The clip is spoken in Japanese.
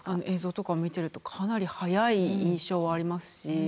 映像とかを見てるとかなり速い印象はありますし。